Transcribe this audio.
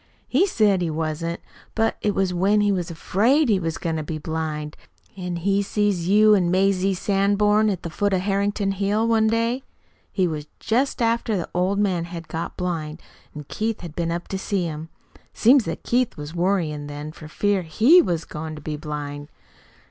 He said he wasn't. But, it was when he was 'fraid he was goin' to be blind; an' he see you an' Mazie Sanborn at the foot of Harrington Hill, one day. It was just after the old man had got blind, an' Keith had been up to see him. It seems that Keith was worryin' then for fear HE was goin' to be blind."